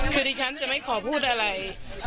คือดิฉันจะไม่ขอพูดอะไร